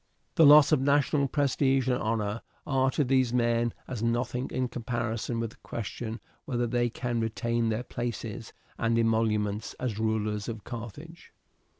The loss of national prestige and honour are to these men as nothing in comparison with the question whether they can retain their places and emoluments as rulers of Carthage.